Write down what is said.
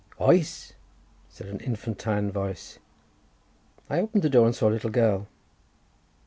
"Oes!" said an infantine voice. I opened the door, and saw a little girl.